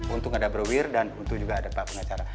untung ada bro wir dan untuk juga ada pak pengecara